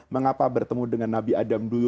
mengapa bertemu dengan nabi adam dulu